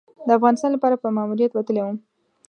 د افغانستان لپاره په ماموریت وتلی وم.